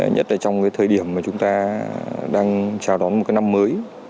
nhất là trong thời điểm chúng ta đang chào đón một năm mới